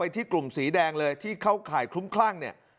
ที่กลุ่มสีแดงเลยที่เข้าข่ายคลุ้มคลั่งเนี่ย